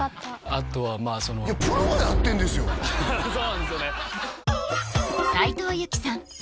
あとはそうなんですよね